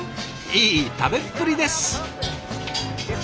いい食べっぷりです！